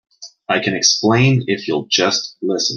I can explain if you'll just listen.